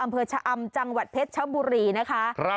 อำเภอชะอำจังหวัดเพชรชบุรีนะคะ